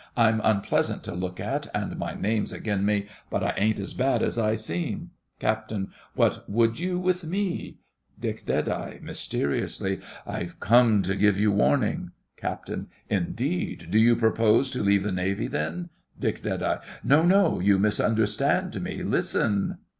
I'm unpleasant to look at, and my name's agin me, but I ain't as bad as I seem. CAPT. What would you with me? DICK (mysteriously). I'm come to give you warning. CAPT. Indeed! do you propose to leave the Navy then? DICK. No, no, you misunderstand me; listen!